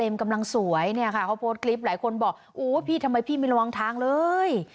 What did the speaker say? บางคนบอกสงสารเลย